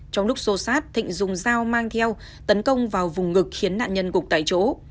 trong lúc xô xát thịnh dùng dao mang theo tấn công vào vùng ngực khiến nạn nhân gục tại chỗ